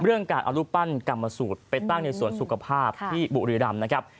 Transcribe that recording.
เรื่องการเอารูปปั้นกรรมสูตรไปตั้งในสวนสุขภาพที่บุรีรำนะครับ